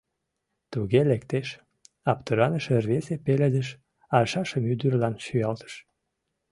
— Туге лектеш... — аптыраныше рвезе пеледыш аршашым ӱдырлан шуялтыш.